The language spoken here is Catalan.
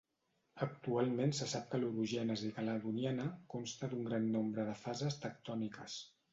Actualment se sap que l'orogènesi caledoniana consta d'un gran nombre de fases tectòniques.